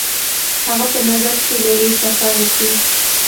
هغه په نظر کې لري سفر وکړي.